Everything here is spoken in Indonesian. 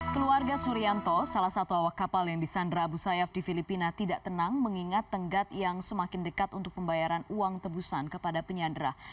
keluarga surianto salah satu awak kapal yang disandra abu sayyaf di filipina tidak tenang mengingat tenggat yang semakin dekat untuk pembayaran uang tebusan kepada penyandera